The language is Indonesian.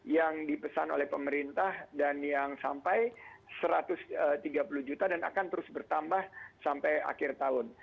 yang dipesan oleh pemerintah dan yang sampai satu ratus tiga puluh juta dan akan terus bertambah sampai akhir tahun